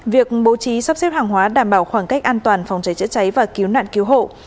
việc bố trí sắp xếp hàng hóa đảm bảo khoảng cách an toàn phòng cháy chữa cháy và cứu nạn cứu hộ